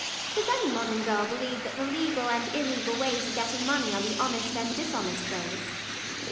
Does any modern girl believe that the legal and illegal ways of getting money are the honest and dishonest ways?